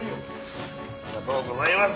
ありがとうございます。